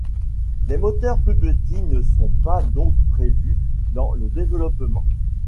Des moteurs plus petits ne sont pas donc prévus dans le développement.